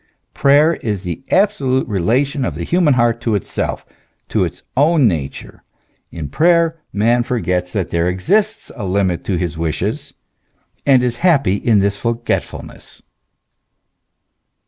Prayer is the absolute relation of the human heart to itself, to its own nature; in prayer, man forgets that there exists a limit to his wishes, and is happy in this forgetfulness.